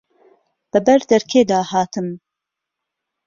بە بەر دەرکێ دا هاتم